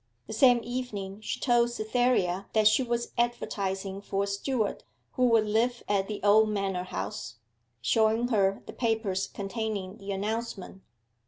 The same evening she told Cytherea that she was advertising for a steward, who would live at the old manor house, showing her the papers containing the announcement.